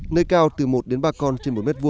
nơi cao từ một đến ba con trên một m hai